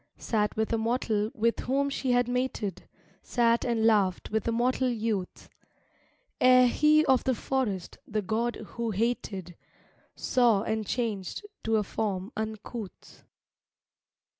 Sat with a mortal with whom she had mated, Sat and laughed with a mortal youth, Ere he of the forest, the god who hated, Saw and changed to a form uncouth....